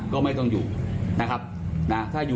ก็จบแค่นี้นะครับ